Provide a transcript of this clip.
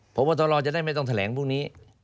เพราะว่าตอนรอจะได้ไม่ต้องแถลงพรุ่งนี้